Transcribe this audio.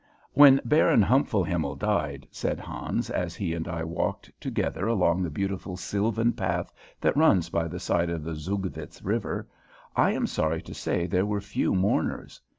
"When Baron Humpfelhimmel died," said Hans, as he and I walked together along the beautiful sylvan path that runs by the side of the Zugvitz River, "I am sorry to say there were few mourners.